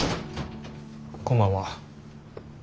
こんばんは。